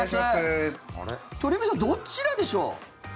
鳥海さんどちらでしょう？